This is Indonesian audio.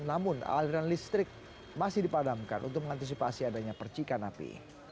namun aliran listrik masih dipadamkan untuk mengantisipasi adanya percikan api